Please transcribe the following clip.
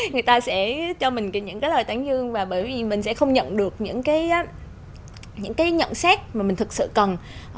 người ta sẽ cho mình những cái lời tán dương và bởi vì mình sẽ không nhận được những cái nhận xét mà mình thực sự cần